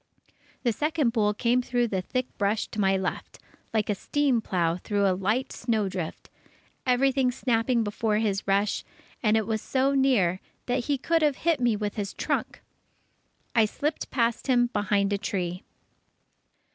The second bull came through the thick brush to my left, like a steam plow through a light snowdrift, everything snapping before his rush, and was so near that he could have hit me with his trunk. I slipped past him behind a tree.